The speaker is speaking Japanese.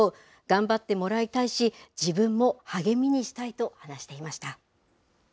頑張ってもらいたいし、自分も励みにしたいと話していました。